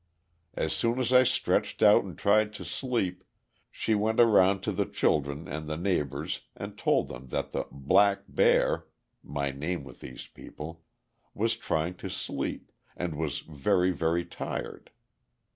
As soon as I stretched out and tried to sleep, she went around to the children and the neighbors and told them that the "Black Bear" my name with these people was trying to sleep, and was very, very tired.